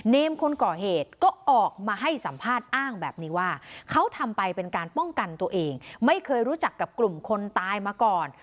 คนก่อเหตุก็ออกมาให้สัมภาษณ์อ้างแบบนี้ว่าเขาทำไปเป็นการป้องกันตัวเองไม่เคยรู้จักกับกลุ่มคนตายมาก่อน